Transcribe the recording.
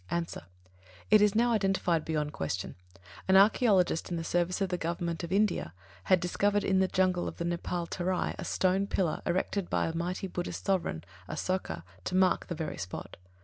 _ A. It is now identified beyond question. An archaeologist in the service of the Government of India has discovered in the jungle of the Nepāl Terai a stone pillar erected by the mighty Buddhist sovereign, Asoka, to mark the very spot.